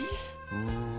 うん。